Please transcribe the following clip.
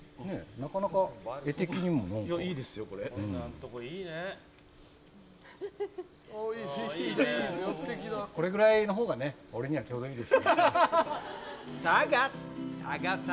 なかなか、画的にも。これぐらいのほうが俺にはちょうどいいです。